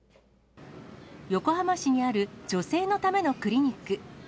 横浜市にある女性のためのクリニック。